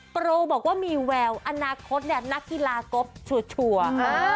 โปรบอกว่ามีแววอนาคตเนี่ยนักกีฬากบชัวร์